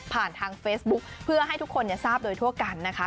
ทางเฟซบุ๊คเพื่อให้ทุกคนทราบโดยทั่วกันนะคะ